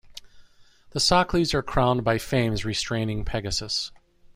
The socles are crowned by Fames restraining Pegasus.